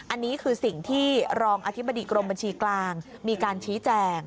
อันนี้คือสิ่งที่รองอธิบดีกรมบัญชีกลางมีการชี้แจง